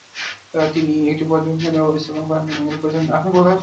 তিনি একটি পর্যবেক্ষণ কেন্দ্র স্থাপন করেন ও এর পরিচালনার দায়িত্বে ছিলেন।